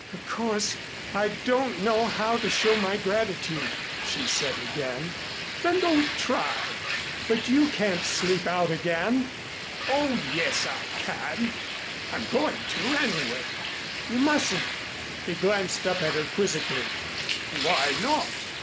"Of course, I don't know how to show my gratitude," she said again. "Then don't try." "But you can't sleep out again." "Oh, yes, I can. I'm going to anyway." "You mustn't." He glanced up at her quizzically. "Why not?"